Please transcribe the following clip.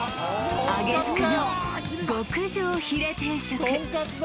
あげ福の極上ヒレ定食